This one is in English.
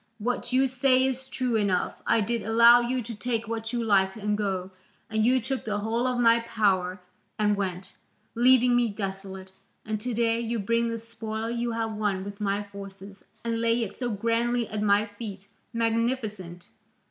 What you say is true enough: I did allow you to take what you liked and go, and you took the whole of my power and went, leaving me desolate, and to day you bring the spoil you have won with my forces, and lay it so grandly at my feet magnificent!